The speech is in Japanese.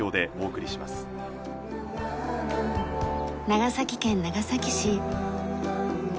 長崎県長崎市。